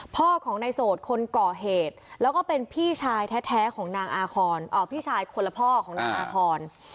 พ่อของนายโสดคนก่อเหตุแล้วก็เป็นพี่ชายแท้ของนางอาคอนพี่ชายคนละพ่อของนางอาคอน